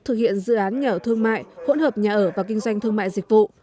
thực hiện dự án nghèo thương mại hôn hợp nhà ở và kinh doanh thương mại dịch vụ